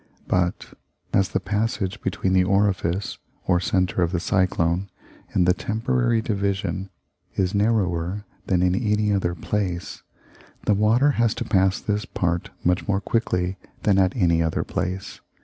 But, as the passage between the orifice (or centre of the cyclone) and the temporary division is narrower than in any other place, the water has to pass this part much more quickly than at any other place.